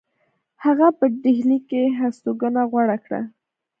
هغه په ډهلی کې هستوګنه غوره کړه.